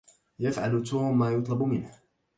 يفعل توم ما يُطلبُ منه.